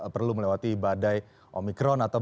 perlu melewati badai omikron atau